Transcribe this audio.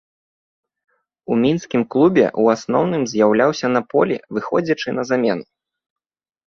У мінскім клубе ў асноўным з'яўляўся на полі, выходзячы на замену.